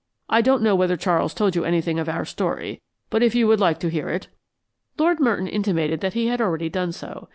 I don't know whether Charles told you anything of our story, but if you would like to hear it " Lord Merton intimated that he had already done so.